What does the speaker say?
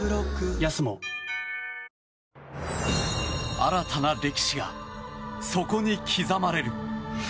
新たな歴史がそこに刻まれる。